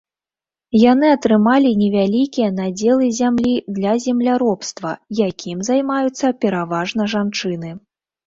Яны атрымалі невялікія надзелы зямлі для земляробства, якім займаюцца пераважна жанчыны.